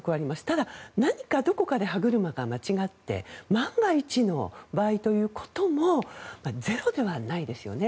ただ何かどこかで歯車が間違って万が一の場合ということもゼロではないですよね。